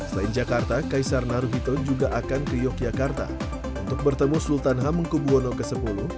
selain jakarta kaisar naruhito juga akan ke yogyakarta untuk bertemu sultan hamengkubwono x